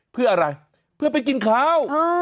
เพื่ออะไรเพื่อไปกินข้าว